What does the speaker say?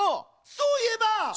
そういえば！